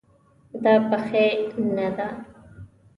دا پخې نه ده